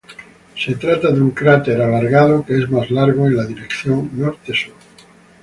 Se trata de un cráter alargado que es más largo en la dirección norte-sur.